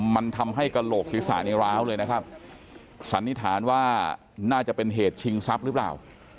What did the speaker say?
มันทำให้กระโหลกศีรษะในร้าวเลยนะครับสันนิษฐานว่าน่าจะเป็นเหตุชิงทรัพย์หรือเปล่า